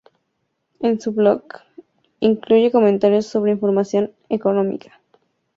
En su blog, "Beat the Press", incluye comentarios sobre información económica.